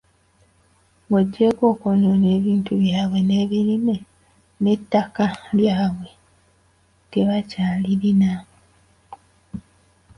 Ng'oggyeko okwonoona ebintu byabwe n'ebirime, n'ettaka ttaka lyabwe tebakyalirina.